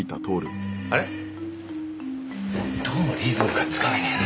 どうもリズムがつかめねえな。